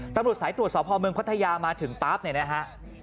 ตำรวจสายตรวจสอบพอเมืองพัทยามาถึงปั๊บเนี่ยนะฮะ